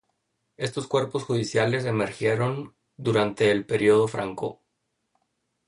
Estos cuerpos judiciales emergieron durante el periodo franco.